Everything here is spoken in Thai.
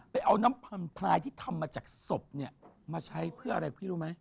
เอาน้ำพันพลายที่ทำมาจากศพเนี่ยมาใช้เพื่ออะไรพี่รู้ไหม